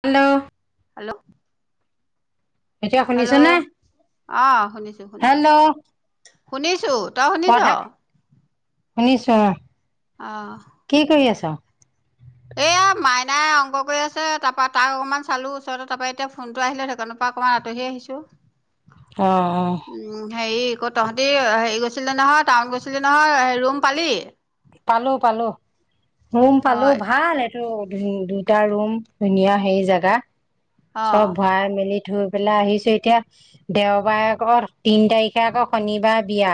Hello hello এতিয়া hello শুনিছনে? আহ শুনিছো শুনিছো হেল্ল' শুনিছো তই শুনিছ নি নিশ্চয় আহ কু্তা এয়া মাইনাই অংক কৰি আছে তাৰপা তাক অকনমান চালো ওচৰতে তাৰ পৰা এতিয়া ফোনটো আহিলে নৰ পৰা অকমান আঁতৰি আহিছো অ অ। উম হেৰি আকৌ তহঁতি হেৰি গৈছিলে নহয় টাউন গৈছিলে নহয় ৰুম পালি? পালো পালো ৰুম পালো হয় ভাল টো দুটা ৰুম ধুনীয়া হেৰি জেগা অ চব ভৰাই মেলি ধই পেলাই আহিছো এতিয়া দেওবাৰে আগৰ তিন তাৰিখে আকৌ শনিবাৰ বিয়া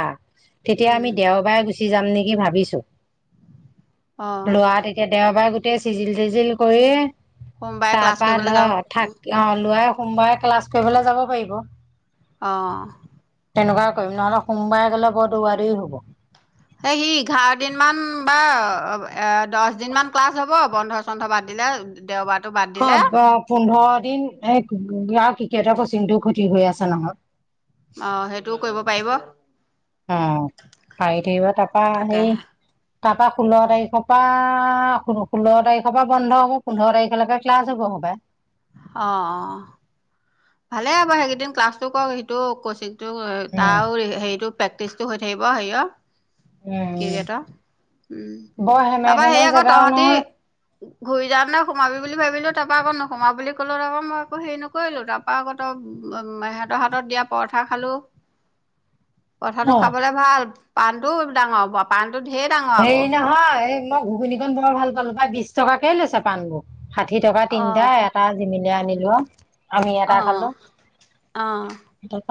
তেতিয়া উম আমি দেওবাৰে গুচি যাম নেকি ভাবিছো। অ লোৱা তেতিয়া দেওবাৰে গোটেই চিজিল তিজিল কৰি সোমবাৰে ক্লাছ তাৰপা কৰিবলৈ যাব ন থাক অ লৰাই সোমবাৰে ক্লাছ কৰিবলৈ যাব পাৰিব। আহঁ তেনেকুৱাই কৰিম নহ'লে সোমবাই গ'লে বৰ দৌৰা দৌৰি হয়। সেই সি এ দহ দিনমান ক্লাছ হ'ব বন্ধ চন্ধ বাদ দিলে দেওবাৰ অ পোন্ধৰ দিন এক ৰা কি তেহতক চিটোও ক্ষতি হৈ আছে নহয় অ সেইটোও কৰিব পাৰিব অ আহি থাকিব তাৰাপা সেই তাকেহে তাৰ পৰা ষোল্ল তাৰিখৰ পৰা ষোল্ল তাৰিখৰ পৰা বন্ধ হব পোন্ধৰ তাৰিখলৈকে ক্লাছ হ'ব। ক'বাই অ অ ভালেই আ বাৰ সেইকেইদিন ক্লাছটো কৰক সিটোও কৈছ টো উম তাৰ হেৰিতটো প্ৰেক্টিচটো হৈ থাকিব হেয় উম বৰ হেমে তাৰপৰা ধেমে সেই আকৌ জেগাও তহতি নহয় ঘূৰি যা নে সোমাবি বুলি ভাবিলো তাৰপৰা আকৌ নোসোমায় বুলি ক'লও তাৰপৌ মই আ হেৰি নকৰিলো ত বাহতক সিহঁতৰ হাতত দিয়া পৰঠা খালো পঠাটো অ খাবলে ভাল পাণটো ডাঙৰ হ হেৰি নহয় মই ঘুগুনি কন বৰ ভাল পালো পাই বিশ টকা লৈছে পাণবোৰ? ষাঠি টকা তিনটা অ', এটা মিলি আনিলো আমি এটা অ', খালো অ',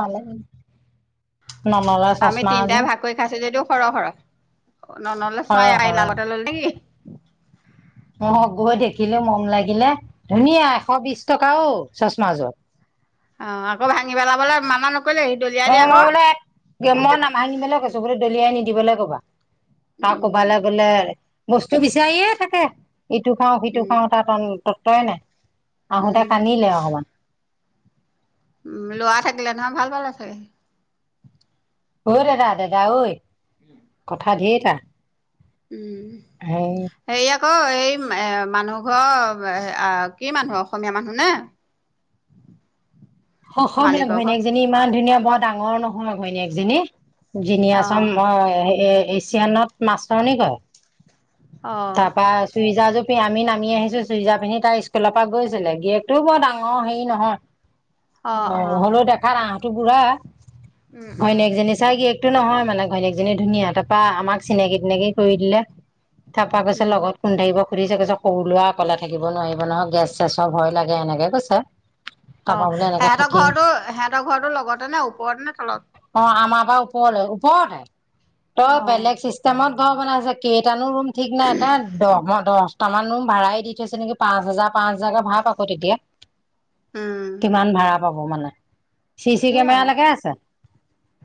পালে ননলে আমি চচমা এযোৰ তিনটাই ভাগ কৰি খাইছো যদিও সৰহ সৰহ [unintelligible] সৰহ মাই আহ লা লগ ললকি ম গৈ দেখিলো মন লাগিলে ধুনীয়া এশ বিশ টকাও চচমা জোত অ আকৌ ভাঙি পেলাবলে মানা নকৰিবি অ মই বোলে মই নাভাঙিিবলৈ কৈছো বো দলিয়াই নিদিবলৈ ক'বা আৰু উম, কবালৈ গলে বস্তু বিচাৰিয়ে থাকে ইটো খাওঁ সিটো উম, খাওঁ তাৰ তত্বই নাই আহোতে উম, কান্িলে অকমান উম লৰা থাকিলে নহয় ভাল ভাল আ চাগে ৰোদ দাদা ই কথা ধেতটা হ অ এই এ মানুহ ঘৰ কি মানুহ অসমীয়া মানুহ নে [inaudible] অসমীয়া মালিকৰ ঘৰ ঘৈনীয়েকজনী ইমান ধুনীয়া বৰ ডাঙৰ নহীয়া ভৈনীয়েকজনী জিন অ', আছৰ এছিয়ানত মাছ ধৰ ন কয় অ', তাৰ পৰাা চুই যাৰ য আমি নামি আহিছো চুৰিজা পিন্ধি তাই স্কুলৰ পৰা গৈছিলে গিয়েকতটোও বৰ ডাঙৰ হেৰি নহয় অ হলেও দেখাত আহটো বুঢ়া উম, হয় ন উম, একজনী চাগ কিি একটো নহয় মানে ঘৈনীয়েকজনী ধুনীয়া তাৰপা আমাক চিনাকি তেিনাকি কৰি দিলে থাপা গৈছে উম। লগত কোনন্দ থাকিব সুধিছে কৈছে কৰু লোৱা অককলা থাকিব নোৱাৰিব নহয় গেছ চেছ সব ভয় লাগে এনেকে কৈছে অ তাৰপা বোলে এনেকে সিহঁতৰ থাকিম ঘৰটো সিহঁতৰ ঘৰটোো লগতে নে ওপৰতে নে তলত প তই অ'। বেগি বনাই ঠিক নাই এ তটা দহ দহ তটামান ৰুম ভাড়াই দি থৈছে নেকি পাঁচ হাজাৰ পাঁচ হাজাৰকে ভা় আকৌ তেতিয়া উম, কিমান ভা়া পাব মানে শিশি সেইয়াই কেমেৰা লাগে আছে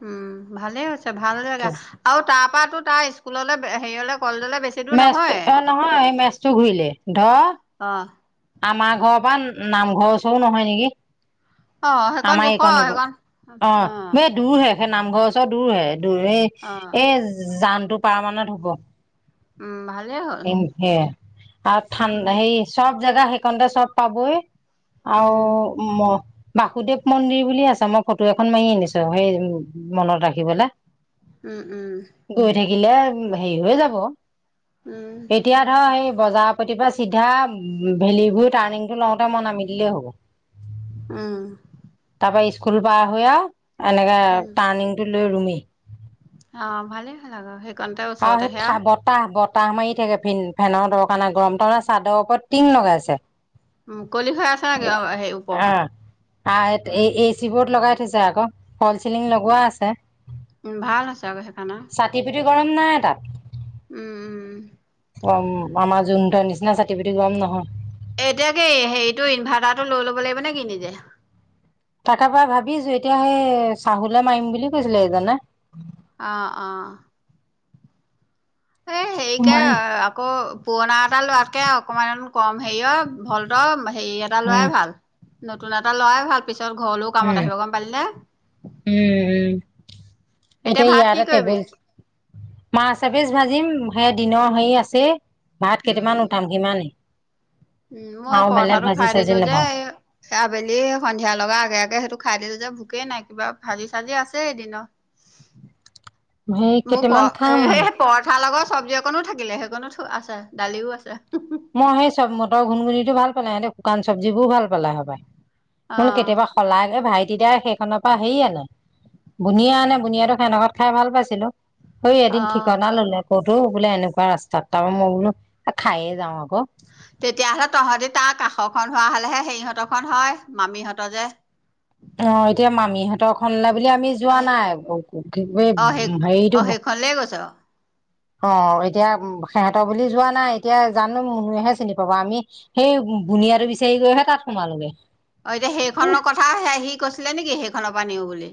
উম ভালেই হৈছে ভাল লগাগা আৰু তাৰ পৰাটোো তাৰ স্কুললৈ হেৰিয়লে কলেজলৈ বেছি দূৰ মেজটো নহয়। অ নহয় এই মেজটো ঘূৰিলে ধ অ আমাৰ ঘৰ পৰা নামঘৰ চবো নহয় নেকি অ সেইকণ আমাৰ জোখৰ এইখন সেইকণ অ ব দূৰ হে সেই নামঘৰ ওৰত দূৰ হে দূৰ এই অ এ জানটো পাৰমানণত হব উম ভালেই হ'ল সেয়া আৰু ঠান উম হেৰি চব জোগা সেইকণতে চব পাবই উম আৰু বাসুদেৱ মন্দিৰ বুলি আছে মই ফটো এখন মাৰি আনিছো সেই মনত ৰাখিবলৈ উম উম গিলে হেৰি হৈ যাব উম এতিয়া ধৰ স বজাৰৰ প্ৰতিপ চিধা ভেলীিবোৰ টাৰ্ণিং টো লওঁতে মন নামি দিলেই হ'ব আহ তাৰপা স্কুল পাৰ হৈ আৰু এনেকে উম টাৰ্ণিং টো লৈ ৰুমি অ ভালে খালােই আৰু সেই থ বতাহ বতাহ কতাহ মাৰি থাকে ফ ফেনৰ দ কাৰণে গৰম তাৰে চাদৰ ওপৰত টিন লগাইছে। মুকলি হৈ আছে নেকি সেই ওপৰখন অ এই উম এ চি বোৰত লগাই থ থৈছে অক ফল ছিলিং লগোৱা আছে। উম ভাল হৈছে আকৌ সেইকাৰণে গৰম নাই উম উম তাত আমাৰ যোন নিচিনা চাতি পি গম নহয়। এতিয়া কি হেৰিতটো ইনভাৰ্টাৰটো লৈ ল'ব লাগিব নে কি নিজে। তাৰ পৰা ভাবি আছো এতিয়া সেই চাহে মাৰিম বুলি কৈছিলে এইজনে। অ অ। এ উম, সেকে আকৌ পুৰণা এটা লোৱাতকে অকণমান কম হেৰিয় ভলত হেৰি এটা উম, লোৱাই ভাল। নতুন এটা লয় ভাল পিছত ঘৰলৈও কামত উম, আহিব গম পালিনে। উম, উম। এতিয়া ইয়াত এটা টেবুল মাছ এপেজ ভাজিম সেই দিনৰ হেৰি আছে ভাত উম কেইটামান উঠাম সিমানে। উম মই পৰঠাতো খাই চাজি দিলো যে নাপাওঁ আবেলি সন্ধিয়া লগা আগেগে তাকে সেইটো খাই দিলো যে ভোকেই নাই কিবা ভাজি চাজি আছে এদিনত। সেই মোৰ পৰ কেইটামান খাম সেই পৰঠা লগৰ চব্জি অকনো থাকিলে সেইকণো আছে দালিও আছে। বোইছ নাই সিহঁতে শুকান চব্জিবোৰ ভাল পালে হবাই অ বোলো কেতিয়াবা শলাগে ভাই তি দাই সেইখনৰ পৰা হেৰি আনে বুনিয়া আনে বুনিয়াটো সেনেকত খাই ভাল পাইছিলো। অ এদিন ঠিকনা ললে আকৌতো বোলে এনেকুৱা ৰাস্তাত তাৰ মই বোলো খাইে যাওঁ আৰু। তেতিয়াহ'লে তহঁতি তাক কা ৰ খন হোৱা হ'লেহে সেইহঁতৰ খখন হয় মামীহঁতৰ যে। অ এতিয়া মামীহঁতৰ খনলে। বুলি আমি অ যোৱা নাই কি সেই অ হেৰিটো। সেইখনলে গৈছ অ এতিয়া সিহঁতৰ বুলি যোৱা নাই এতিয়া জানো মহেহে চিনি পাবা আমি সেই। বুনিয়াটো বিচাৰি গৈহে তাত সোমালোগে। অ এতিয়া সেইখনৰ কথা সি কৈছিলে নেকি সেইখনৰ পৰা নিওঁ বুলি।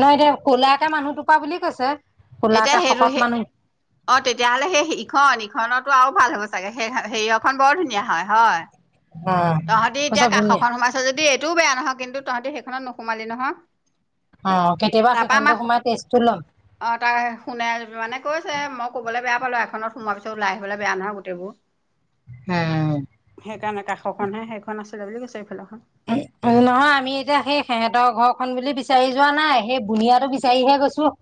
নহ এতিয়া কলা এটা মানুহ টোপা বুলি কৈছে। এতিয়া কলাকে সেইটো শকত সেই মানুহ অ তেতিয়াহলে সেই ইখন ইখনত টো আৰু ভাল হ'ব চাগে সেই হেৰিয়খন বৰ ধুনীয়া হয়। অ তহঁতি এতিয়া কৈছে বুনিয়া কাষখন সোমাইছ যদি এইটোও বেয়া নহয় কিন্তু তহতি সেইখনত নোসোমালি নহয়। অ কেতিয়াবা তাৰপা সেইখনতো আমাৰ সোমাই টেষ্টটো ল'ম অ তাৰ শুনে মানে কৈছে মোক ক'বলৈ বেয়া পালো এখনত সোমোৱাৰ পিছতওলাই আহিবলৈ বেয়া নহ গোইবোৰ। হম। অণহে সেইখন আছিলে বুম্পলি কৈছে এইফালে। নহয় আমি এতিয়া সেই সিহঁতৰ ঘৰখনন বিচাৰি। বিচাৰি যোৱা নাই সেই বুনিয়াটো বিচাৰিহে গৈছো।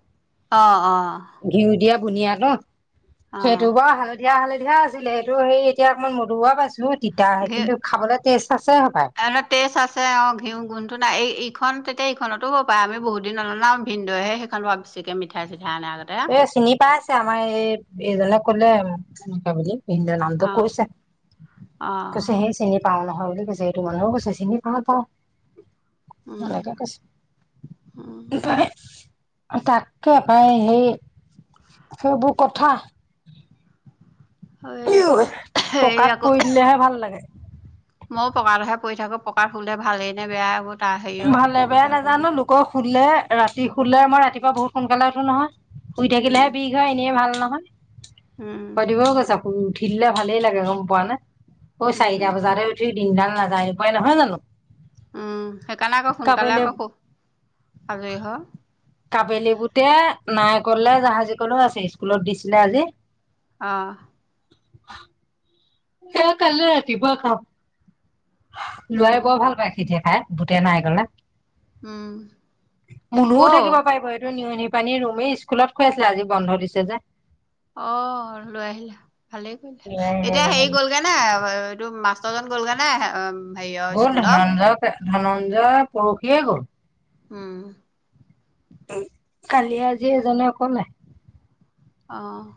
আহ আহ। বুনিয় ন সেইটো বৰ হালধীয়া হালধীয়া। সুধিয়া আছিলে এইটো সেই এতিয়া অকমান মদুা পাইছো তিতাহে ঘে কিন্তু খাবলৈ টেষ্ট আছে সবাই। আ অ ঘিউ গোন্ধটো নাই এই ইখন তেতিয়া ইখনতো হ'ব পাৰে আমি বহুত দিন নলনাওঁ ভন্দদৈহে সেইনৰ পৰা চে মিঠাইছে। এ চিনি পাই আছে আমাৰ এই এইজনে কলেনেুৱা বুলি। ইন্দু নামটো অ কৈছে অ কৈছে সে চিনি পাওঁ নহয় কৈছে এইটো মানুহো কৈছে চিনি পাওঁ পাওঁ। উম ভালকে কৈছ উম ত তাকে পায় সেই সেইবোৰ কথা। আৰু এই এইে পকাত আকৌ পৰি দিলেহে ভাল লাগে। ময়ো পকা লহে পৰি থাকো পকাৰ শুলে ভাল নে বেয়া বোলো। ভালে বেয়া নাজানো লোকক শুধিলে ৰাতি শুলিলে মই ৰাতিপুৱা বহুত সোনকালে উঠো নহয়। শুই উম থাকিলেহে বিষ হয় এনে ভাল নহয় উম প দিবও কৈছ শুই উঠিলে ভালেই লাগে গম পোৱা নে উম চাৰিটা বজাতে উঠিল। দিনডাল নাযায় এনেকুৱাই নহয় জানো? উম সেইকাৰণে আকৌ সোনকালে কাবেলে আকৌ খুব আজৰি হ কাবেলি বুতে নাই কলে জাহাজী কলেও আছে স্কুলত দিছিলে আজি। আহ এ কাল ন ৰাতি ব কাম। উম লোৱ বৰ ভাল পায় খেতিিয়ে খাই বুটেই নাই গলে, উম মনও ক' থাকিব পাৰিব এইটো নিয় পানী পানী ৰুমেই স্কুলত খুৱ আছিলে আজি বন্ধ দিছে যে- অ লৈ আহিলা ভালেই কৰিলা এতিয়া হেৰি গলগে না। টো মাষ্টৰজন গ'লগে নে? হেৰিয়ৰ গ'ল স্কুলৰ? ধনঞ্জয় ধনঞ্জয় পৰহিয়ে গ'ল উম [inaudible] কালি আজি এজনে অকলে [unintelligible] আহ [unintelligible]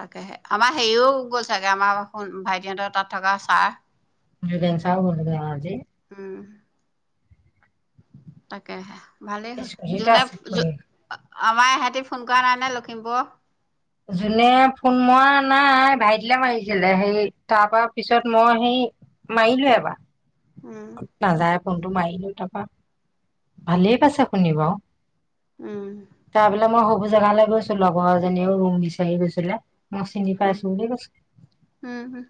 তাকেহে আমাৰ হেৰিও গ'ল চাগে আমাৰ ভাইটিহঁতৰ তাত থকা ছাৰ [unintelligible] [unintelligible] চাৰও গ'ল ক আজি উম, তাকেহে ভালেই হ'ল স্কুটিতে যোনে আছে পৰি। আমাৰ এহঁতি ফোন [unintelligible] কৰা নাই নে লখিমপুৰ [unintelligible] যোনে ফোন মৰা নাই ভাইটিলে মাৰিছিলে সেই তাৰ পৰা পিছত মই সেই [unintelligible] মাৰিলোঁ এবাৰ [unintelligible] উম, নাযায় ফোনটো মাৰিলো তাৰাপা ভালেই পাইছে শুনি বাৰু উম, তাৰ বোলে মই সব জেগালৈ গৈছো লগৰজনীয়েও ৰুম বিচাৰি গৈছিলে। মই চিনি উম, পাইছোঁ বুলি কৈছে উম, উম।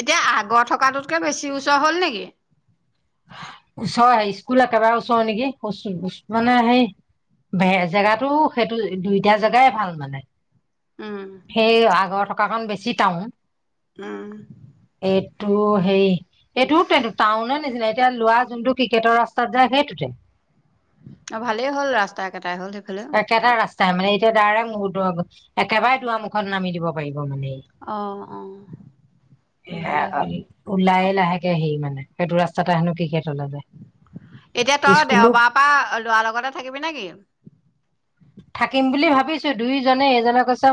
এতিয়া আগৰ থকাটোতকে বেছি ওচৰ হ'ল নেকি? চ সেই স্কুল একেবাৰে ওচৰৰ নেকি মানে সেই জেগাটো সেইটো দুইটা জেগাই ভাল মানে। উম, সেই আগৰ থকাকন বেছি টাউন। উম তোৰ হেৰি এইটো টাউনৰ নিচিনা এতিয়া লোৱা যোনটো ক্ৰিকেটৰ ৰাস্তাত যায় সেইটোতে [inaudible] অ ভালেই হ'ল ৰাস্তা একেইটাই হ'ল সেইফালে [inaudible] তাই মানে এতিয়া ডাইৰেক্ট মুহূৰ্ত একেবাৰে দুৱাৰ মুখত নামি দিব পাৰিব। ব মানে অ', অ' এয়া ভালেই অ হ'ল। ওলাই লাহে মানে সেই ৰাস্তাতে হেনো ক্ৰিকেট। এতিয়া তই দেওবাৰৰ পৰা লৰা লগতে থাকিবি নেকি? থাকিম বুলি ভাবিছো দুইজনে এইজনে কৈছে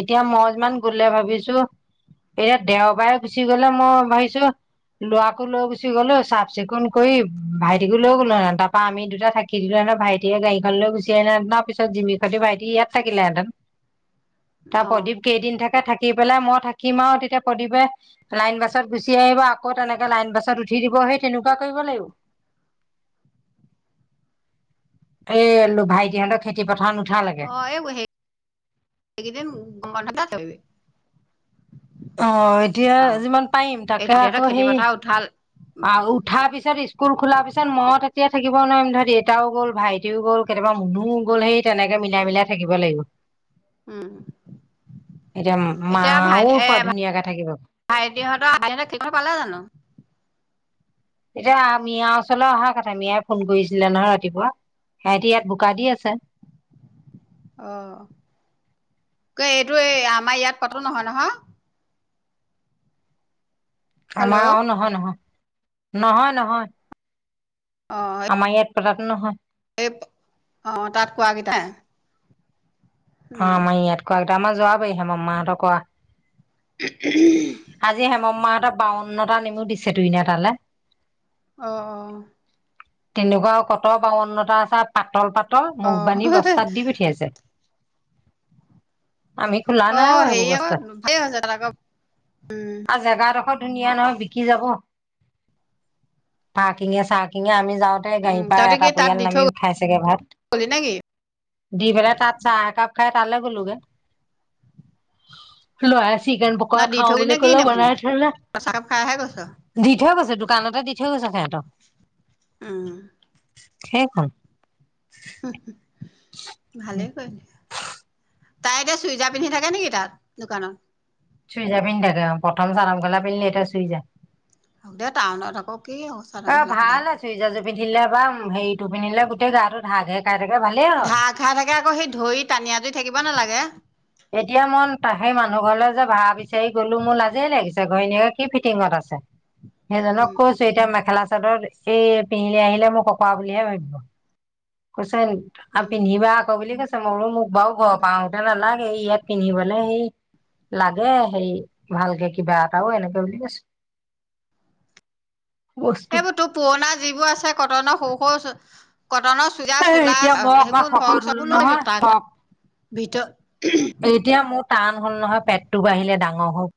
এতিয়া মই যিমান গলে ভাবিছো। এতিয়া দেওবাৰে গুচি গলে মই ভাবিছোঁ, লৰাকো লৈ গুচি গলো চাফ-চিকুণ কৰি ভাইটিকো লৈ গ'লো ন তাৰাপা আমি দুটা থাকি দিলো। ভাইটিয়ে গাড়ীখন লৈ গুচি আহিলে। তাৰ পিছত জিমি খতি ভাইটি ইয়াত থাকিলেহেঁতেন তাৰ অ', প্ৰদীপ কেইদিন থাকে থাকিল দি পেলাই মই থাকিম আৰু তেতিয়া প্ৰদীপে লাইন বাছত গুচি আহিব আকৌ তেনেকে লাইন বাছত উঠি দিব। সেই তেনেকুৱা কৰিব লাগিব। এই ভাইটিহঁতৰ খেতিপথাৰ ন [unintelligible] অ হেৰি এইকেইদিন [unintelligible] অ এতিয়া অ', যিমান পাৰিম এই তাকে তহঁতৰ আকৌ খেতি সেই [inaudible] পথাৰ উঠাল আৰু উঠাৰ পিছত স্কুল খোলাৰ পিছত মই তেতিয়া থাকিব নোৱাৰিম ধৰ দেউতাও গ'ল ভাইটিও গ'ল কেতিয়াবা মুনোও গ'ল সেই তেনেকে মিলাই-মিলাই থাকিব লাগিব। [inaudible] উম [inaudible] এতিয়া এতিয়া ভাই মাও এ ক ধুনীয়াকে থাকিব। [inaudible] ভাইটিহঁতৰ আহ পালে জানো? তেতিয়া মিয়াৰ ওচৰলৈ অহা কথা মিয়াই ফোন কৰিছিলে নহয় ৰাতিপুৱা। সিহঁতি ইয়াত বোকা দি আছে। অ ক এইটো এই আমাৰ ইয়াত কতো নহয়-নহয়। হেল্ল' আমাৰও নহয়-নহয় নহয়-নহয়। অ', আমাৰ ইয়াৰ পতাটো নহয়। এই অ তাত কোৱাকেইটাই। অ উম, আমাৰ ইয়াত কোৱাকেইটা আমাৰ যোৱা পাৰি মাৰ মাহঁতক কোৱা। আজি হেম মামাহঁতৰ বাৱন্নটা নেমু দিছে তো এনে তালৈ আহ অ [unintelligible] তেনেকুৱা আৰু কত বাৱন্নতা আছে পাতল পাত অ', মুখবানী বস্তাত দি পঠিয়াইছে আমি খোলা নাই অ', বাৰু সেইবোৰ হেৰি আকৌ বস্তা ভালেই হৈছে তাত আকৌ আৰু জেগাডোখৰত নিয়া নহয় বিকি যাব পাৰকিঙে চকিঙে আমি যাওঁতে উম, গাড়ীৰ পৰা তহঁতি কি এটা তাত দি পৰিয়াল থৈ নামিও খাই চগে ভাত গ'লি নেকি? দি পেলাই তাত চাহ একাপ খাই তালৈ গ'লোগে। লৰাই চিকেন ন পকৰা দি খাও থৈ গ'লি বুলি নে কি কলে নো সেইখিনি বনাই থৈলে তই চাহকাপ খাইহে গৈছ দি থৈ গৈছে ত কানতে দি থৈ সেত উম। সেই খন ভালে কৰিলে। তাই এতিয়া চুইজাৰ পিন্ধি থাকে নেকি তাত দোকানত? চুই যা পিন্ধি থাকে অ প্ৰথম চাৰম খেলা পিন্ধিলি এতিয়া চুই যা। আ দে টাউনত আকৌ কি চাদৰ অ মেখেলা সদায় ভাল আছো ইৰিজাযু পিন্ধিলে বা হেৰিটো পিন্ধিলে গোটেই গা টো ঢাকে। ঘা ঘা থাকে আকৌ সেই ধৰি টানিয় জ থাকিব নালাগে। এতিয়া মই সেই মানুহ ঘৰলে যে ভাৰা বিচাৰি গ'লো মোৰ লাজিয়ে লাগিছে ঘী ঘ কি ফিটিঙত আছে। সেইজনক উম কৈছো এতিয়া মেখেলা চাদৰ পিত এই পিন্ধিলি আহিলে মোক কক বুলিহে ভাবিব কুচোন আৰু উম পিন্ধিবা আকৌ বুলি কৈছে মইয়ো মোক বাৰু ঘৰ পাওতে নালাই। সয়া কিনি বালে স লাগে সেই ভালকে কিবা এটাও এনেকে বুলি কৈছো। বস্তু। এইবোৰতো পুৰণা যিবোৰ আছে কটনৰ সৰু সৰু কটনৰ চ সেই চোলা এতিয়া মই অকমান সেইবোৰ শকত ফক হলো চবো লৈ বি নহয়, শক ভিতৰত এতিয়া মোৰ টান হ'ল নহয় পেটটো বাঢ়িলে ডাঙৰ হল।